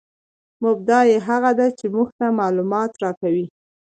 مبتداء هغه ده، چي موږ ته معلومات راکوي.